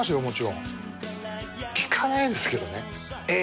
もちろん。聴かないですけどね。